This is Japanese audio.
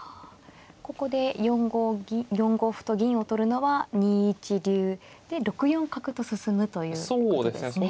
ここで４五歩と銀を取るのは２一竜で６四角と進むということですね。